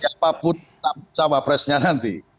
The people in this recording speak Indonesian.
siapapun cawapresnya nanti